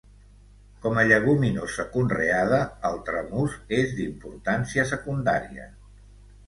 Com a lleguminosa conreada el tramús és d'importància secundària.